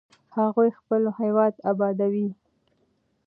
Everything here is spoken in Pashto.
هغوی خپل هېواد ابادوي.